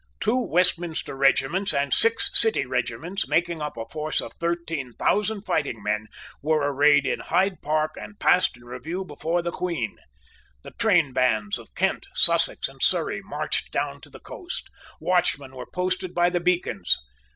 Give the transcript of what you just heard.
Two Westminster regiments and six City regiments, making up a force of thirteen thousand fighting men, were arrayed in Hyde Park, and passed in review before the Queen. The trainbands of Kent, Sussex, and Surrey marched down to the coast. Watchmen were posted by the beacons.